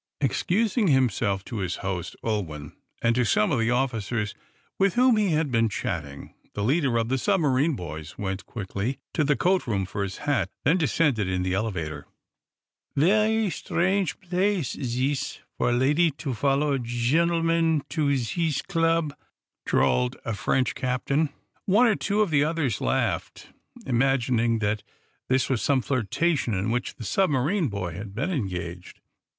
Excusing himself to his host, Ulwin, and to some of the officers with whom he had been chatting, the leader of the submarine boys went quickly to the coat room for his hat, then descended in the elevator. "Vairee strange place, zis, for a lady to follow a zhentleman to hees club," drawled a French captain. One or two of the others laughed, imagining that this was some flirtation in which the submarine boy had been engaged.